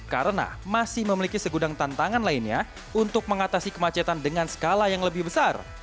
karena masih memiliki segudang tantangan lainnya untuk mengatasi kemacetan dengan skala yang lebih besar